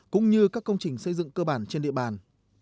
cũng như các công trình xây dựng cơ bản trên địa bàn